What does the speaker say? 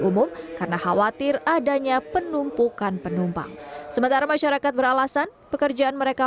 umum karena khawatir adanya penumpukan penumpang sementara masyarakat beralasan pekerjaan mereka